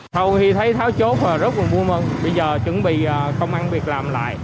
thầu thì thấy tháo chốt và rất vui mơ bây giờ chuẩn bị công ăn việc làm lại